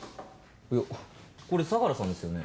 いやこれ相良さんですよね？